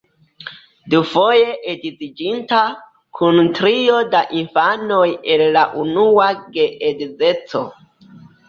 Dufoje edziĝinta, kun trio da infanoj el la unua geedzeco.